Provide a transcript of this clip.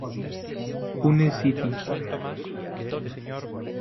Pune City.